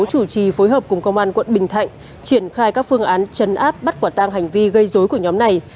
chủ trì phối hợp cùng công an quận bình thạnh triển khai các phương án chấn áp bắt quả tang hành vi gây dối của nhóm này